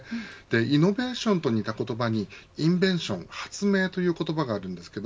イノベーションと似た言葉にインベンション発明という言葉があります。